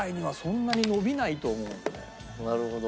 なるほど。